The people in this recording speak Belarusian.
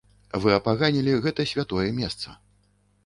Вы апаганілі гэта святое месца.